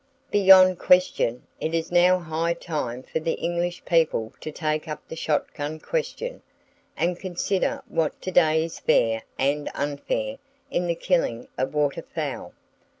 Beyond question, it is now high time for the English people to take up the shot gun question, and consider what to day is fair and unfair in the killing of waterfowl.